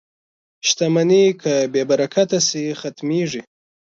• شتمني که بې برکته شي، ختمېږي.